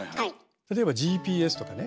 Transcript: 例えばＧＰＳとかね